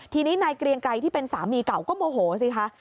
ทีนี้นายเกรียงไกรที่เป็นสามีเก่าก็โมโหสิคะ